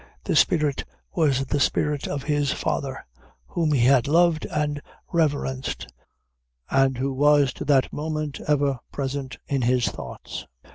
The spirit was the spirit of his father, whom he had loved and reverenced, and who was to that moment ever present in his thoughts.